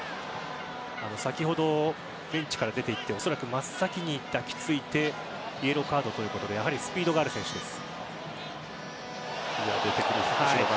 先ほどベンチから出て行って真っ先に抱き付いてイエローカードということでやはりスピードがある選手です。